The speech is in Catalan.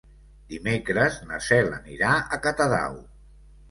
Dimecres na Cel anirà a Catadau.